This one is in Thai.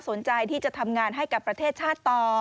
สนใจที่จะทำงานให้กับประเทศชาติต่อ